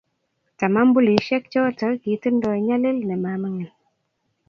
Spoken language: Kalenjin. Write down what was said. Tamambulishek choto kitindoi nyalil ne maming'in